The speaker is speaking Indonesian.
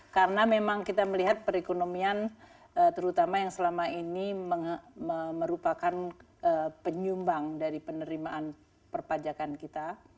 karena memang kita melihat perekonomian terutama yang selama ini merupakan penyumbang dari penerimaan perpajakan kita